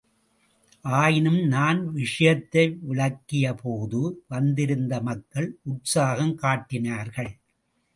ஆயினும் நான் விஷயத்தை விளக்கியபோது வந்திருந்த மக்கள் உற்சாகம் காட்டினார்கள்.